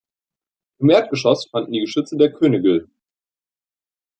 Im Erdgeschoss fanden die Geschütze der Königl.